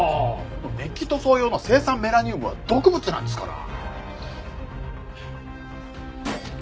メッキ塗装用の青酸メラニウムは毒物なんですから！